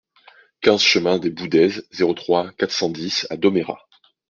quinze chemin des Boudaises, zéro trois, quatre cent dix à Domérat